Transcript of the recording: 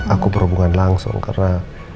aku berhubungan langsung karena